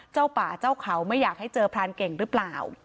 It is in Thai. เจ้าป่าเจ้าเขาไม่อยากให้เจอพรานเก่งหรือเปล่า